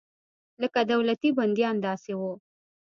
لکه دولتي بندیان داسې وو.